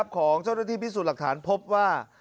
ของเจ้าหน้าที่พิสูจน์หลักฐานพบว่า